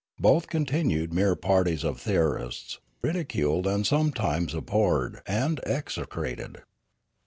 Both continued mere parties of theorists, ridi culed and sometimes abhorred and execrated.